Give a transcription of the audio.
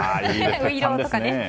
ういろうとかね。